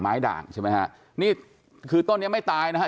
ไม้ด่างใช่ไหมฮะนี่คือต้นยังไม่ตายอ่ะ